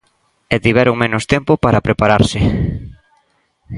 E tiveron menos tempo para prepararse.